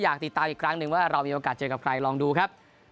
อยากติดตามอีกครั้งหนึ่งว่าเรามีโอกาสเจอกับใครลองดูครับ